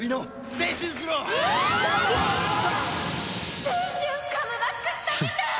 青春カムバックしたみたい！